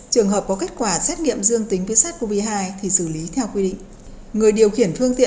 trường hợp có kết quả xét nghiệm dương tính với sars cov hai thì xử lý theo quy định